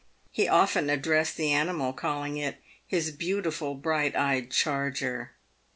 He often addressed the animal, calling it " his beautiful bright eyed charger."